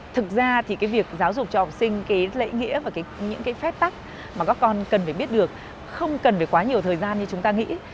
thực ra thì cái việc giáo dục cho học sinh cái lễ nghĩa và những cái phép tắc mà các con cần phải biết được không cần phải quá nhiều thời gian như chúng ta nghĩ